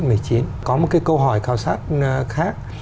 có một cái câu hỏi khảo sát khác